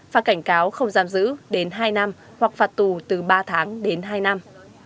phạt cảnh cáo không giam giữ đến hai năm hoặc phạt tù từ ba tháng đến hai năm